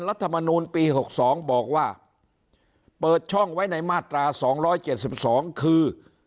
รัฐมนูลปีหกสองบอกว่าเปิดช่องไว้ในมาตราสองร้อยเจ็ดสิบสองคือ